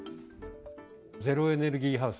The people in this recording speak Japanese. ゼロエネルギーハウス。